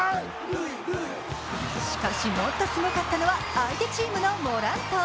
しかし、もっとすごかったのは相手チームのモラント。